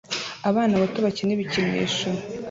abana bato bakina ibikinisho